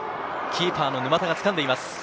キーパーの沼田がつかんでいます。